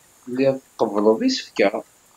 Telliḍ tqebbleḍ isefka.